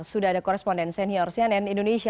sudah ada koresponden senior cnn indonesia